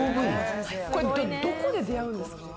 どこで出会うんですか？